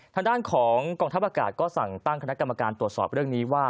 ทางด้านของกองทัพอากาศก็สั่งตั้งคณะกรรมการตรวจสอบเรื่องนี้ว่า